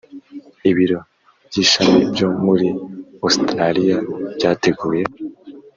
ibiro by ishami byo muri Ositaraliya byateguye